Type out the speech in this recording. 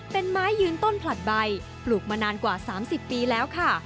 เป็นไม้ยืนต้นผลัดใบปลูกมานานกว่า๓๐ปีแล้วค่ะ